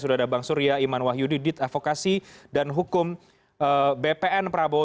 sudah ada bang surya iman wahyudi dit avokasi dan hukum bpn prabowo